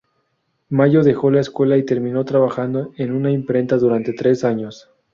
Mayo dejó la escuela y terminó trabajando en una imprenta durante tres años.